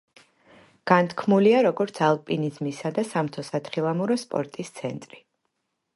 განთქმულია როგორც ალპინიზმისა და სამთო-სათხილამური სპორტის ცენტრი.